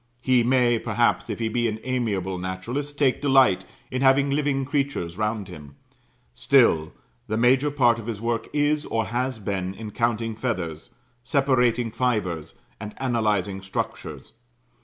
He may, perhaps, if he be an amiable naturalist, take delight in having living creatures round him; still, the major part of his work is, or has been, in counting feathers, separating fibres, and analyzing structures.